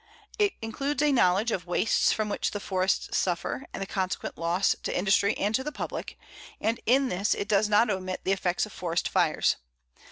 It includes a knowledge of wastes from which the forests suffer, and the consequent loss to industry and to the public, and in this it does not omit the effects of forest fires.